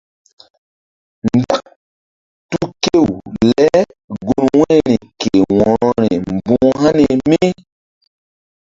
Nzak tu kew le gun wu̧yri ke wo̧rori mbuh hani mí.